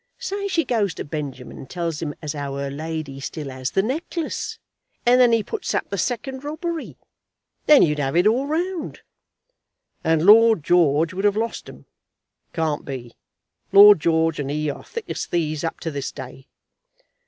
Say she goes to Benjamin and tells him as how her lady still has the necklace, and then he puts up the second robbery. Then you'd have it all round." "And Lord George would have lost 'em. It can't be. Lord George and he are thick as thieves up to this day."